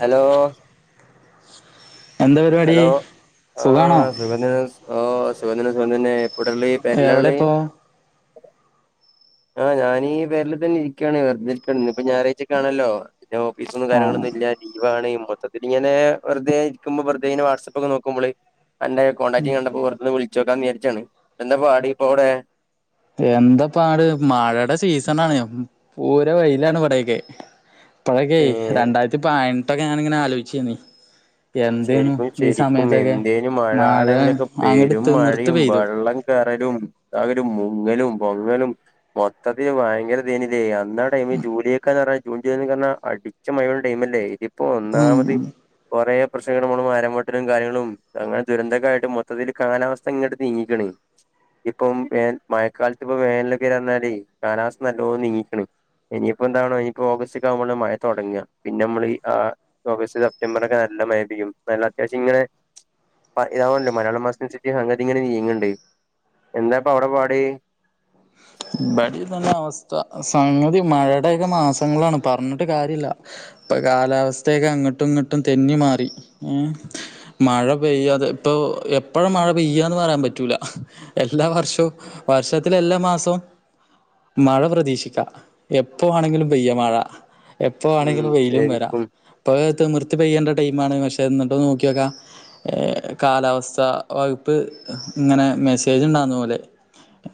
Hello എന്താ പരിപാടി hello ആ സുഖാണോ സുഖം ത [unintelligible] ഓഹ് സുഖം തെന്നെ സുഖം തെന്നെ എവിടെ ഇപ്പോ [unintelligible] ആഹ് ഞാനീ പെരല് തന്നെ ഇരിക്യാണ് വെർതിരിക്കാണ് ന്ന്പ്പ ഞാറഴ്ചൊക്കാണല്ലോ പിന്നെ ഓഫീസും ആ കാര്യങ്ങളൊന്നുല്ല ലീവാണിം മൊത്തത്തില്ങ്ങനെ വെറുതേ ഇരിക്കുമ്പം വെർ തങ്ങനെ വാട്സപ്പൊക്കെ നോക്കുമ്പള് തന്റെ കോണ്ടാക്റ്റിംഗ് കണ്ടപ്പോ വെറുതൊന്ന് വിൾ [unintelligible] നേർച്ചെണ് എന്താപ്പാടി പ്പാടിവടെ എന്താ പാട് മഴടെ സീസണാണ് പൂര വെയിലാണ് ഇവടെക്കെ ഇപ്പോഴക്കെ ഏഹ് രണ്ടായിരത്തി പയ് ട്ടൊക്കെങ്ങനെ ഞാന് ആലോയ്ചേനി ശെരിക്കും ശെരിക്കും എന്തേനും മഴ ആ ടൈമിലൊക്കെ അങ്ങോട്ട് പെരും മഴേ തിമിർത്ത് പെയ്തു വള്ളം കേറലും ആ ഒരു മുങ്ങലും പൊങ്ങലും മൊത്തത്തിൽ ഭയങ്കര തേനിതെയ്യാ ന്നാ ടൈമ് [unintelligible] ജൂൺ ജൂലൈക്കെ വന്നാ അടിച്ച മഴേടെ ടൈംമ ല്ലേ ക്കും പ്പൊ ഒന്നാമത് ഉം കൊറെ കൊർച്ച് [unintelligible] മരം വെട്ടലും കാര്യങ്ങളും അങ്ങനെ ദുരന്തക്കായിട്ട് മൊത്തത്തില് കാലാവസ്ഥ ഇങ്ങട്ട് നീങ്ങിക്കാണ് ഇപ്പം ഏ മയക്കാലത്ത് ഇപ്പ വേനലൊക്കെ വെരാന്ന് പറഞ്ഞാല് കാലാവസ്ഥ നല്ലോം നീങ്ങിക്ക് ണ് ഇനിയിപ്പോന്താണ് ഇനിപ്പോ ഓഗസ്റ്റൊക്കാകുമ്പള മയ തോടങ്ങാ പിന്നെ മ്മൾആ ഓഗസ്റ്റ് സെപ്റ്റംബറൊക്കെ നല്ല മഴ [unintelligible] അത്യാവശ്യം ങ്ങനെ പ താവല്ലോ മലയാളം മാസം [unintelligible] അങ്ങ് ട്ട് ങ്ങനെ നീങ്ങ് ണ്ട് എന്താപ്പോ അവടെ പാട് ബടിം തന്നെ അവസ്ഥ സംഗതി മഴേടൊക്കെ മാസങ്ങളാണ് പർഞ്ഞിട്ട് കാര്യല്ല ഇപ്പൊ കാലാവസ്ഥയൊക്കെ അങ്ങോട്ടും ഇങ്ങോട്ടും തെന്നി മാറി ഹ് മഴ പെയ്യാതെ പ്പൊ എപ്പഴ മഴ പെയ്യാന്ന് പറയാൻ പറ്റൂല എല്ലാ വർഷവും വർഷത്തിലെല്ലാമാസ തും മഴ പ്രതീക്ഷിക്ക എപ്പ വാണെങ്കിലും പെയ്യ മഴ എപ്പോ ഉം വാണെങ്കിലും വെയിലും വെരാ ശരിക്കും ഇപ്പ അത് തിമൃത്ത് പെയ്യണ്ട ടൈമാണ് പക്ഷെ ഇന്ന്ട്ട് നോക്ക്യോക്ക ഏ കാലാവസ്ഥ വകുപ്പ് ങ്ങനെ മെസ്സേജ്ണ്ടാന്ന് ഓലെ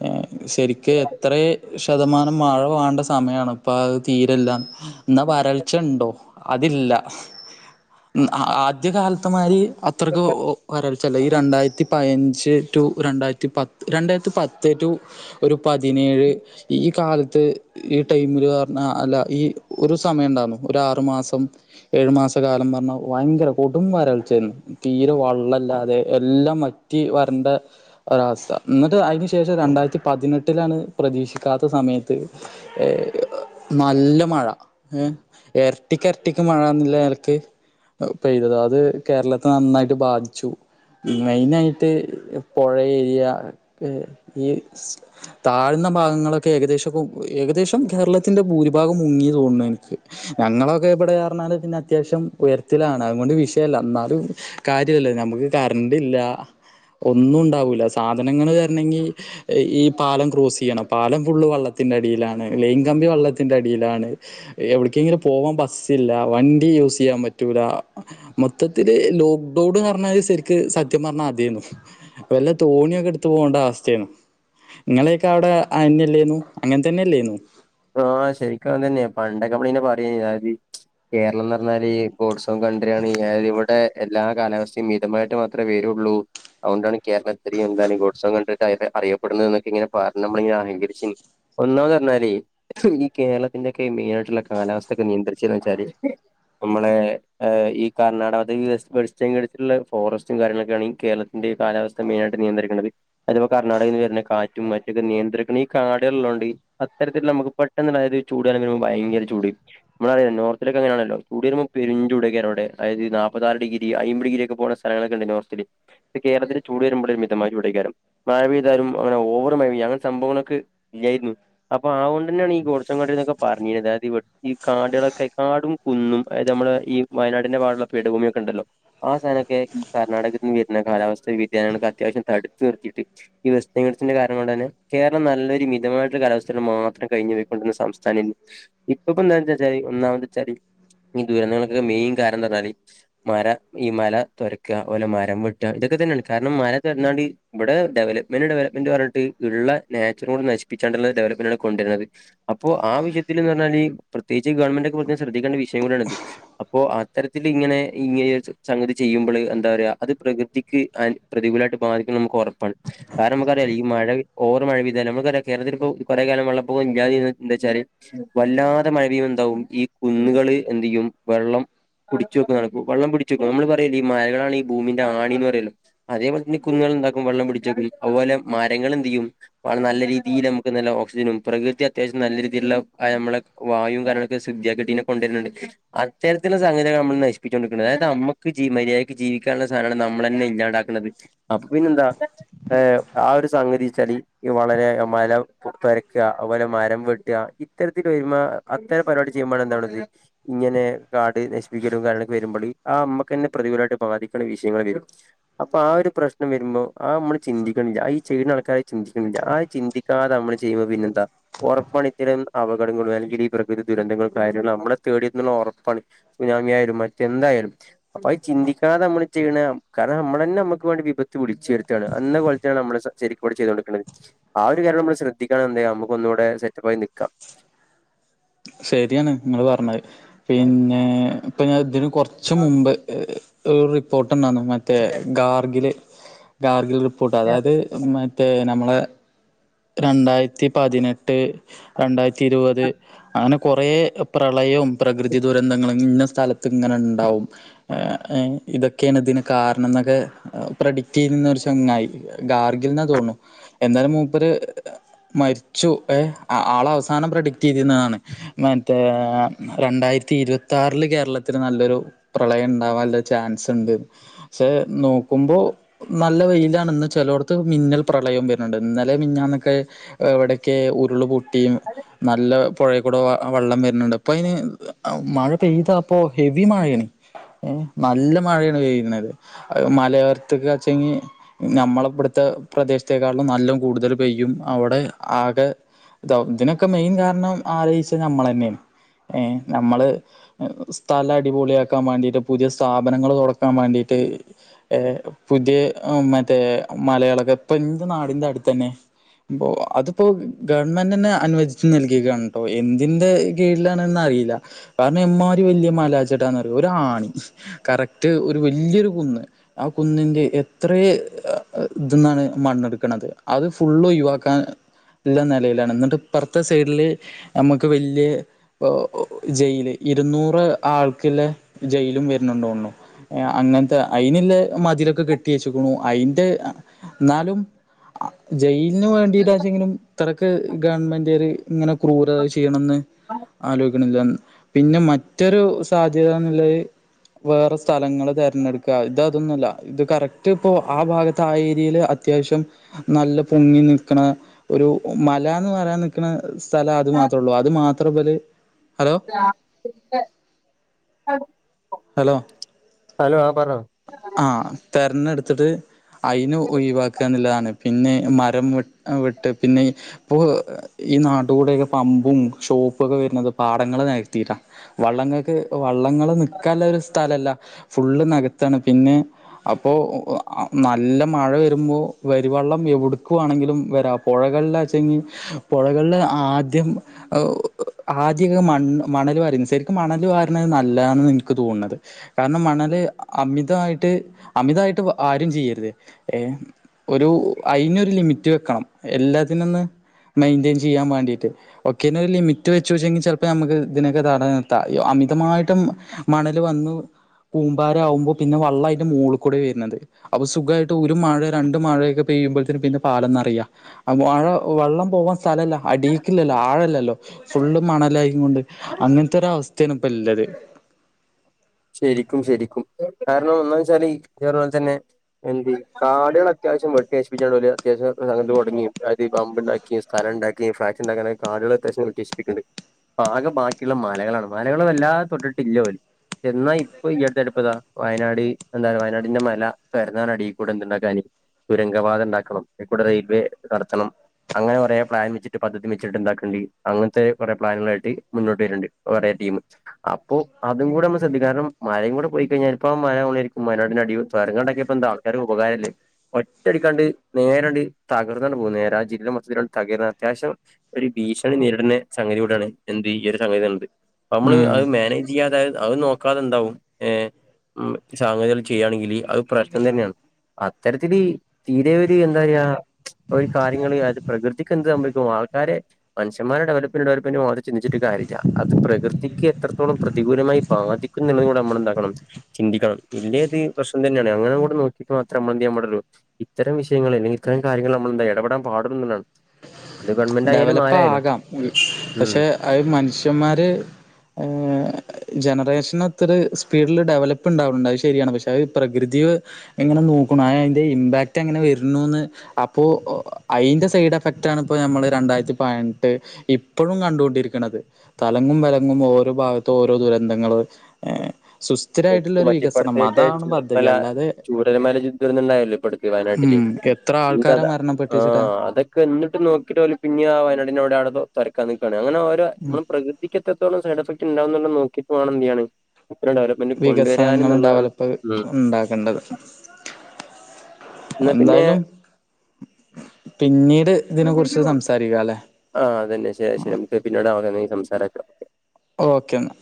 ഏ ശെരി ക്ക് എത്രേ ശതമാനം മഴ വാണ്ട സമയാണ് ഇപ്പ അത് തീരല്ല ന്നാ വരൾച്ചണ്ടോ അതില്ല ആദ്യ കാൽത്ത മാരി അത്രക്ക് ഹ് ഉ വരൾ ചെല ഈ രണ്ടായിര്ത്തി പയ്ഞ്ച് റ്റു രണ്ടായിരത്തി പത്ത് രണ്ടായിര്ത്തി പത്ത് റ്റു ഒരു പതിനേഴ് ഈ കാലത്ത് ഈ ടൈമിൽ പർഞ്ഞാ അല്ല ഈ ഒരു സമയം ണ്ടാരുന്നു ഒരു ആറു മാസം ഏഴു മാസ കാലം പർഞ്ഞാ വയ് ങ്കര കൊടും വരൾച്ചേര്ന്നു തീര വള്ളല്ലാതെ എല്ലാം വറ്റി വരണ്ട ഒരവസ്ഥ ന്ന്ട്ട് അയ് ന് ശേഷം രണ്ടാര്ത്തി പതിനെട്ടിലാണ് പ്രതീക്ഷിക്കാത്ത സമയത്ത് ഏ ഹ് നല്ല മഴ ഏ എര്ട്ടിക്കെരട്ടിക്ക് മഴന്ന്ള്ള നെലക്ക് പെയ്തത് അത്‌ കേരളത്തെ നന്നായിട്ട് ബാധിച്ചു മെയിനായിട്ട് പൊഴ ഏരിയ ക്ക് ഈ താഴ്ന്ന ഭാഗങ്ങളൊക്കൊ ഏകദേശൊക്കൊ ഏകദേശം കേരളത്തിന്റെ ഭൂരിഭാഗം മുങ്ങി തോണ്ണ് എനിക്ക് ഞങ്ങളൊക്കെ എവിടെർഞ്ഞാല് പിന്നെ അത്യാവശ്യം ഉയര്ത്തിലാണ് അതുകൊണ്ട് വിഷയല്ലാ ന്നാലും കാര്യല്ലേ നമ്മക്ക് കര്ണ്ട് ഇല്ല ഒന്നുണ്ടാവൂല്ല സാധനങ്ങള് വര്ണങ്കി ഹ് ഈ പാലം ക്രോസെയ്യണം പാലം ഫുള്ള് വള്ളത്തിന്റെ അടിയിലാണ് ലൈൻകമ്പി വള്ളത്തിന്റെ അടിയിലാണ് എവിട്ക്കെങ്കിലും പോവാം ബസ്സില്ല വണ്ടി യൂസയ്യാ പറ്റൂല മൊത്തത്തില് ലോക്ക്ഡൗണ്ന്നർഞ്ഞാല് ശരിക്ക് സത്യംപർഞ്ഞാ അതേന്നു വല്ല തോണിയൊക്കെട്ത്ത് പോണ്ട അവസ്തേണ് ങ്ങളേയൊക്ക അവ്ടെ അഅന്നെല്ലേന്നു അങ്ങൻ തന്നല്ലേന്നു ആ ശരിക്കും അതന്നെ പണ്ടക്ക പ്ലൈന് പറീനിം അത് കേരളംന്നർ ഞ്ഞാല് ഈ ഗോഡ്സ് കോം കണ്ട്രിയാണ് ഏത് വടെ എല്ലാ കാലാവസ്തിം മിതമായിട്ട് മാത്രേ വരുള്ളൂ അതോണ്ടാണ് കേരളത്ത്റിം എന്താണ് ഗോഡ്സോൻകൺഡ്രി ഒക്കെ ആയിട്ട് അറിയപ്പെടുന്നന്ന്ക്കൊ ഇങ്ങനെ പർഞ്ഞ്മ്മള്ങ്ങനെ അഹങ്കരിച്ചിനി ഒന്നാമതർഞ്ഞാലേ ഹും ഈ കേരളത്തിന്റെക്കെ മെയിനായിട്ട്ള്ള കാലാവസ്ഥക്കെ നിയന്ത്രിച്ചീന്നെച്ചാല് നമ്മളെ ഏ ഈ കർണാടകത്ത് യു യെസ് വെള് ച്ചംകേട്ത്തിട്ടുള്ള ഫോറസ്റ്റും കാര്യങ്ങളൊക്കെയാണ് ഈ കേരളത്തിന്റെ കാലാവസ്ഥ മെയിനായിട്ട് നിയന്ത്രിക്കന്നത് അതിപ്പൊ കർണാടകന്ന് വര്ന്ന കാറ്റും മറ്റൊക്കെ നിയന്ത്രിക്ക്ണ ഈ കാടെള്ളൊണ്ട് അത്തരത്തില് നമ്മക്ക് പെട്ടന്ന് അതായത് ചൂട് കാലം വരുമ്പോ ഭയ്ങ്കര ചൂട് മ്മളറിയ നോർത്തിലക്കെങ്ങനെയാണല്ലോ ചൂട് വരുമ്പോ പെരുഞ്ജുടയ്ക്കാരം അവ്ടെ അതായത് നാൽപ്പത്താറ് ഡിഗ്രി അയ്മ്പ് ഡിഗ്രി ഒക്കെ പോണ സ്ഥലങ്ങളൊക്കെണ്ട് നോർത്തില് കേരളത്തില് ചൂട് വരുമ്പള് ഒരു മിതമായി ചൂടയ്ക്കാരം മഴ പെയ്താലും അങ്ങനെ ഓവറ് മഴ പെയ്യ അങ്ങൻതെ സംബവങ്ങക്ക് ഇല്ലായിരുന്നു അപ്പൊ ആകൊണ്ട് തന്നാണ് ഈ ഗോട്സംകൺഡ്രിന്നൊക്കെപർ ഞ്ഞീനത് അതിവ്ട് ഈ കാടളൊക്കയ് കാടും കുന്നും അതായത് നമ്മളെ ഈ വയനാടിന്റെ പാടുള്ള പെട് ഭൂമിയൊക്കെണ്ടല്ലോ ആ സാനൊക്കെ ഈ കർണാടകന്ന് വര്ന്ന കാലാവസ്ഥ വ്യതിയാനങ്ങൾക്കത്യാവശ്യം തടുത്ത് നിർത്തിട്ട് ഈ വെസ്റ്റേംഗിഡ് സിന്റെ കാര്ണം കൊണ്ടന്നെ കേരളം നല്ലൊരു മിതമായിട്ട്ള്ള കാലാവസ്ഥനെ മാത്രം കയിഞ്ഞു പോയിക്കൊണ്ട്ന്ന സംസ്ഥാനേഞ്ഞ് ഇപ്പപ്പോ ന്താ ന്താ ച്ചാല് ഒന്നാമത്ച്ചാല് ഈ ദുരന്തങ്ങൾക്കൊക്കെ മെയിൻ കാരണം ന്താർഞ്ഞാല് മര ഈ മല തൊരക്ക ഓലെ മരം വെട്ടാ ഇതൊക്കെതന്നേണ് കാര്ണം മല തൊര്ന്നോണ്ട് വടെ ഡെവലപ്മെന്റ് ഡെവലപ്മെന്റ് പർഞ്ഞ്ട്ട് ഈ ഇള്ള നാച്ചുറം കൂടെ നശിപ്പിച്ചാണ്ടുള്ള ഡെവലപ്മെന്റ് ആണ് കൊണ്ടര്ണത് അപ്പോ ആ വിഷയത്തില്ന്നർഞ്ഞാല് പ്രത്യേകിച്ച് ഗവൺമെന്റൊക്കെ പ്രതേകം ശ്രദ്ധിക്കേണ്ട വിഷയം കൂടാണത് അപ്പോ അത്തരത്തില് ങ്ങനെ ഇങ്ങനെ ഇങ്ങ ഏ സംഗതി ചെയ്യുമ്പള് അന്താറയാ അത് പ്രകൃതിക്ക് അൻ പ്രതികൂലായിട്ട് ബാധികുന്ന് നമ്മക്ക് ഒറപ്പാണ് കാരണം മ്മക്കറിയാല ഈ മഴ ഓവർ മഴ പെയ്താലും നമ്മൾ ക്കറിയാം കേരളത്തില് പ്പോ കൊറേ കാലംവള്ളം ഓ എങ്കാരിന്ന് ന്തച്ചാല് വല്ലാത മഴ പെയ്യുമ്പന്താവും ഈ കുന്ന്കള് എന്തെയ്യും വെള്ളം കുടിച്ചു വെക്കു ന്നാണ് കു വെള്ളം പിടിച്ചു വെക്കുന്നതാണ് നമ്മള് പറയും ഈ മഴകളാണ് ഈ ഭൂമിന്റെ ആണീന്ന് പറയല്ലോ അതെ പോൽതന്നെ കുന്നാള്ന്താക്കും വള്ളം പിടിചെക്കും അതുപോലെ മരങ്ങളന്തേയ്യും വളം നല്ല രീതീല് നമുക്ക് നല്ല ഒക്സിജനും പ്രകൃതി അത്യാവശ്യത്തിന് നല്ലരീതിയില്ള്ള അയമ്മളെ വായും കാര്യങ്ങളൊക്കെ ശുദ്ധിയാക്കട്ടീന്നെ കൊണ്ടുവരുന്നുണ്ട് അത്തരത്തിലുള്ള സംഗതികളെ നമ്മള് നശിപ്പിച്ചൊണ്ടിരിക്ണ് എ അതമ്മക്ക് ജി മര്യായ്ക്ക് ജീവിക്കാന്ള്ള സാധനാണ് നമ്മളന്നെ ഇല്ലാണ്ടാക്ക്ണത് അപ്പൊ പിന്നെന്താ ഏ ആ ഒരു സംഗതിച്ചാല് ഇ വളരെ മര പെര ക്ക അവ്പോലെ മരം വെട്ടാ ഇത്തരത്തിൽ വരുമ്പോ അത്തരം പരിപാടി ചെയ്യുമ്പോഴെന്താവ്ണത് ഇങ്ങനെ കാട് നശിപ്പിക്കലും കാര്യൊക്കെ വരുമ്പള് ആ അമ്മക്ക്ന്നെ പ്രതികൂലായിട്ട് ബാധിക്ക്ണ വിഷയങ്ങളെന്നെവരും അപ്പൊ ആ ഒരു പ്രശ്നം വരുമ്പം ആ മ്മള് ചിന്തിക്ണില്ല ഈ ചെയ്യുന്ന ആൾക്കാര് ചിന്തിക്ണില്ല ആ ചിന്തിക്കാതെ നമ്മള് ചെയ് പിന്നെന്താ ഒറപ്പാണ് ഇത്തരം അപകടങ്ങളും അല്ലെങ്കില് ഈ പ്രകൃതി ദുരന്തങ്ങളും കാര്യങ്ങളും നമ്മളെ തേടിയെത്തുന്നുള്ളത് ഒറപ്പാണ് സുനാമിയായാലും മറ്റെന്തായാലും അപ്പൊ അയ് ചിന്തിക്കാതെ അമ്മള് ചെയ്യ്ണ കാരണം നമ്മളന്നെ നമ്മക്ക് വേണ്ടി വിപത്ത് വിളിച്ചു വരുത്താണ് അന്നപോൽത്താണ് നമ്മള് ശരിക്കും ഇവിടെ ചെയ്തോണ്ട്ക്ണത് ആ ഒരു കാര്യം നമ്മൾ ശ്രദ്ധി ക്കണം എന്തയ്യാ നമ്മുക്ക് ഒന്നൂടെ സെറ്റപ്പായി നിക്കാ ശരിയാണ് ഇങ്ങള് പറഞ്ഞത് പിന്നേ പ്പഞാൻ തിന് കൊർച്ച് മുമ്പ്ഏ ഏർ റിപ്പോർ ട്ടന്നാണു മറ്റേ ഗാർഗില് ഗാർസിൽ ഫുഡാ അതായത് മറ്റേ ന മ്മളെ രണ്ടായിര്ത്തി പതിനെട്ട് രണ്ടായി ത്തിരുവത് ആങ്ങ്നെ കൊറേ ഏഹ് പ്രളയും പ്രകൃതി ദുരന്തങ്ങളും ഇന്ന സ് സല ത്ത്ങ്ങനണ്ടാവും ഏഹ് അയിന് ഇതൊക്കേണ് ഇതിന് കാരണന്നൊക്കെ ഏഹ് പ്രഡിക്ടെയ്യുന്നൊരു ചങ്ങായി ഗാർഗില്ന്നാ തോന്ണു എന്താലും മൂ പ്പര് മരിച്ചു ഏഹ് അ ആള അവസാനം പ്രഡിക്ടെയ്തീര്ന്ന അഹ് ആണ് മറ്റേ രണ്ടായിരത്തി ഇര്‌വത്താറ്ല് കേരളത്തില് നല്ലൊരു പ്രളയം ഇണ്ടാവാന്ല്ലെ ചാൻസ്ണ്ട് ക്ഷേ നോക്കുമ്പോ നല്ല വെയിലാണ് ന്നാ ചെലോടത്ത് മിന്നൽ പ്രളയം വര്ന്ണ്ട് ഇന്ന ലെ മിഞ്ഞാന്നൊക്കെ എവിടെക്കേ ഉരുള് പൊ ടീമ് നല്ല പൊഴേക്കൂടെവാ ആഹ് വള്ളം വരനൊണ്ട് അപ്പൊ അയിന് ആഹ് മഴ പെയ്തപ്പോ ഹെവി മഴേണ് ഏഹ് നല്ല മഴേണ് പെയ്യുന്നത് അഹ് മലയോര്‌ത്ത്ക്കാച്ചെങ്ങി നമ്മള ഇവ്ടത്തെ പ്രദേശ്ത്തേക്കാളും നല്ലൊം കൂടുതല് പെയ്യും അവ്ടെ ആകെതാവും ഇതിനൊക്കെ മെയിൻ കാരണം ആലോയിച്ചാ നമ്മളനേണ് ഏഹ് നമ്മള് സ്ഥലം അടിപൊളിയാക്കാമാണ്ടീട്ട് പുതിയ സ്ഥാപനങ്ങള് തൊട്ക്കാ മാണ്ടീട്ട് ഏഹ് പുതിയെ ആഹ് മറ്റേ മലയാളക്ക ഇപ്പന്റെ നാടിന്റെ അട് ത്തന്നെ ഇപ്പൊ അതിപ്പോ ഗവൺമെന്റ്ന്ന് അനുവദിച്ച് നൽകീകാന്ട്ടോ എന്തിന്റെ കീഴിലാണ്ന്ന് അറീയില്ലാ. കാരണം എമ്മാരി വെല്ല്യാ മലാച്ച്ട്ടാന്നറിയോ ഒരാണി കറക്റ്റ് ഒരു വല്ല്യൊരു കുന്ന് ആ കുന്നിന്റെ എത്രേ ഏഹ് ആഹ് ദ്ന്നാണ് മണ്ണെട്ക്ക്ണത് അത് ഫുള്ള് ഒയിവാക്കാൻ ഇല്ലെ നെലേലാണ് ന്ന്ട്ടും ഇപ്പറ്ത്തെ സൈഡില് നമ്മക്ക് വല്ല്യേ പാ ഓഹ് ഓഹ് ജയില് ഇരുന്നൂറ് ആൾക്കില്ലെ ജയിലും വെര്നുണ്ടോന്ന്ണു. ഏഹ് അങ്ങന് ത്ത അയിന്ല്ലെ മതിലൊക്കെ കെട്ടിയെച്ച്ക്ണു അയി ട്ട് അഹ് ന്നാലും അഹ് ജയ് ന് വേണ്ടീട്ടാച്ചെങ്കിലും ത്രരക്ക് ഗവൺമെൻ്റൊര് ഇങ്ങനെ ക്രൂരത ചെയ്യണം ന്ന് ആലോ ക്ക്ണില്ലാന്ന്. പിന്നെ മറ്റൊരു സാധ്യതന്ന്ള്ളത് വേറെ സ്ഥലങ്ങള് തെരഞ്ഞെടുക്ക ഇത് അതൊന്നല്ല ഇത് കറക്റ്റ് ഇപ്പോ ആ ഭാഗത്ത് ആ ഏരിയേല് അത്യാവശ്യം നല്ല പൊങ്ങി നിക്ക്ണ ഒരു മലാ ന്ന് പറയാൻ നിക്ക്ണ സ്ഥലം അത് മാത്രള്ളൂ അത് മാത്ര ഇബല് ഹലോ ഹലോ ഹലോ ആ പറഞ്ഞോ ആഹ് തെരഞ്ഞെടുത്തിട്ട് അയിനു ഒഴിവാക്കാന്നില്ലതാ. പിന്നെ മരം വെട് വെട്ടാ. പിന്നെ പ് ഈ നാട്ടി കൂട്യൊക്കെ പമ്പും ഷോപ്പൊക്കെ വര്നത് പാടങ്ങൾ നെകത്തീട്ടാ. വള്ളങ്ങക്ക് വള്ളങ്ങള് കലരസ് സ്ഥത്താലല്ല ഫുള്ള് നെകത്താണ് പിന്നെ അപ്പോൾ നല്ല മഴ വരുമ്പോ വരുവെള്ളം എവിടുക്കുവെണെങ്കിലും വരാം പുഴകളില വെച്ചങ്കിൽ പുഴകളിൽ ആദ്യം ആദ്യൊക്കെ മണ് മണൽ വാര ശരിക്കും മണൽ വാരണത് നല്ലതാണ് ന്നെനി തോന്നുന്നത് കാരണം മണല് അമിതമായിട്ട് അമിതമായിട്ട് ആരും ചെയ്യരുത് ഏ ഒരു അതിനൊരു ലിമിറ്റ് വെക്കണം എല്ലാത്തിനൊന്ന് മെയിന്റെറ്റൈൻ ചെയ്യാൻ വേണ്ടിട്ട് ഒക്കെന് ഒരു ലിമിറ്റ് വെച്ച് വെച്ചെങ്കിൽ ചിലപ്പോ നമുക്ക് ഇതിനൊക്കെ തടഞ്ഞു നിർത്താം അമിതമായിട്ടും മണല് വന്നു കൂമ്പാരമാകുമ്പോൾ പിന്നെ വ വെള്ളം അതിന്റെ മുകളിൽ കൂടെ വരുന്നത്. അപ്പൊ സുഖമായിട്ട് ഒരു മഴ രണ്ട് മഴയൊക്കെ പെയ്യുമ്പോഴത്തേനും പിന്നെ പാലം നിറയുക. മഴ വെള്ളം പോവാൻ സ്ഥലമില്ല അടക്കില്ലല്ലോ ആഴമില്ലല്ലോ ഫുള്ള് മണലായ് കൊണ്ട് അങ്ങനത്തൊരവസ് തണുപ്പല്ലത്. ശരിക്കും ശരിക്കും കാരണം എന്നാ വെച്ചാലീ കേറുമ്പോ തന്നെ എന്ത് കാടുകൾ അത്യാവശ്യം വെട്ടിനശിപ്പിക്കണ്ട അത്യാവശ്യം തുടങ്ങിയ അത് പമ്പ് ഉണ്ടാക്കിയ സ്ഥലം ഉണ്ടാക്കി ഫ്ളാറ്റ് ഉണ്ടാക്കാന കാടുകൾ അത്യാവശ്യം വെട്ടശിപ്പിക്കുന്നുണ്ട് ആകെ ബാക്കിയുള്ള മലകളാണ്. മലകളെല്ലാം തൊട്ടിട്ടില്ല പോലും. എന്നാൽ ഇപ്പൊ ഈ അടുത്തതാ വയനാട് എന്താ വയനാടിന്റെ മല പരന്നാനടിയിൽ കൂടെ എന്തുണ്ടാക്കാന് തുരങ്കപാത ഉണ്ടാക്കണം കൂടെ റെയിൽവേ നടത്തണം അങ്ങനെ കുറേ പ്ലാൻ വെച്ചിട്ട് പദ്ധതി വെച്ചിട്ട് ഇണ്ടാക്കണ്ട് അങ്ങനത്തെ കുറെ പ്ലാനുകളായിട്ട് മുന്നോട്ട് വരുന്നുണ്ട് കുറേ ടീം അപ്പോ അതും കൂടൊന്ന് കാരണം മഴയും കൂടെ പോയി കഴിഞ്ഞാൽ ഇപ്പ മഴരിക്കും വയനാടിന്റെ അടി തുരങ്കം ഉണ്ടാകിയപ്പോ എന്താ ആൾക്കാർക്ക് ഉപകാരമല്ലേ ഒറ്റടിക്കാണ്ട് നേരണ്ട് തകർന്നാണ് പോകുന്നേ നേരെ ആ ജില്ല മൊത്തം തകരുന്ന അത്യാവശ്യം ഒരു ഭീഷണി നേരിടുന്ന സംഗതി കൂടെയാണ് എന്ത് ഈ ഒരു സംഗതിയാണത്. നമ്മള് അത് ഉം മാനേജ് ഇയതായത് അവൻ നോ ക്കാതുണ്ടാവും ഏ ഉം [unintelligible] ചെയ്യുകയാണെങ്കിൽ അത് പ്രശ്നം തന്നെയാണ്. അത്തരത്തിൽ തീരെ ഒരു എന്താ പറയ ഒര് കാര്യങ്ങള് അത് പ്രകൃതിക്ക് എന്ത് സംഭവിക്കും ആൾക്കാരെ മനുഷ്യമാരുടെ ഡെവലപ്മെന്റ് ഡെവലപ്മെന്റ് ചിന്തിച്ചിട്ട് ഒരു കാര്യമില്ല. അത് പ്രകൃതിക്ക് എത്രത്തോളം പ്രതികൂലമായി ബാധിക് നമ്മളുണ്ടാക്കണം ചിന്തിക്കണം ഇല്ലേ ഇത് പ്രശ്നം തന്നെയാണ് അങ്ങനങ്ങോട്ടു നോക്കിയിട്ട് മാത്രമേ നാമ്മെന്ത് ചെയ്യാനും പാടുള്ളൂ ഇത്തരം വിഷയങ്ങൾ അല്ലെങ്കിൽ ഇത്തരം കാര്യങ്ങൾ നമ്മൾ എന്താ ഇടപെടാൻ പാടുള്ളൂന്നതാണ്. ഡെവലപ്പ് ആകാം ഉം പക്ഷെ അത് മനുഷ്യന്മാര് ഏ ജനറേഷൻ ഭക്ഷണത്തില് സ്പീഡില് ഡെവലപ്പ്ണ്ടാവണ്ട് അത് ശരിയാണ് പക്ഷെ പ്രകൃതി എങ്ങനെ നോക്കുണു അതിന്റെ ഇമ്പാക്ട് എങ്ങനെ വരുന്നുന്ന് അപ്പോ അയിന്റെ സൈഡ് എഫക്റ്റ് ആണ് ഇപ്പോ നമ്മ രണ്ടായിരത്തി പതിനെട്ട് ഇപ്പോഴും കണ്ടുകൊണ്ടിരിക്കണുന്നത് തലങ്ങും വലങ്ങും ഓരോ ഭാഗത്ത് ഓരോ ദുരന്തങ്ങള് ഏ എനിക്ക് മറ്റേപ്പടുത്തെക്ക് പദ്ധതി ചുമതല അല്ലാതെ ചൂരൽമാനേജ്മെൻറ് തന്നെയാ ഇടപ്പടുത്തിയെ വയനാട്ടില് ഉം എത്ര ആൾക്കാരെ ആ മരണപ്പെട്ടിച്ചടാ അതൊക്കെ എന്നിട്ട് നോക്കിട്ടലെ പിന്നെ ഇനിയാ വയനാടിനോട് അടുപ്പം തെരക്കാന്നെ അങ്ങനെ ഓരാ നമ്മൾ പ്രകൃതിക്കത ഇതൊരോ സൈഡെഫക്റ്റ് ഉണ്ടാകുന്നോന്ന് നോക്കിയിട്ടു തന്നെയാണ് ഇത്തരം ഡവലപ്പ്മെന്റ് വികസനങ്ങളും ഡെവലപ്പ് ഉണ്ടാക്കേണ്ടത് എന്നാ പിന്നെ എന്തായാലും പിന്നീട് ഇതിനെ കുറിച്ച് സംസാരിക്കാം അല്ലെ ആ അതന്നെ ശരി ശരി പിന്നെ അതെ ഇനി സംസാരിക്കാം. ഓക്കെ എന്നാ